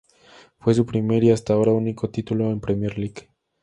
Fue su primer y hasta ahora único título de Premier League.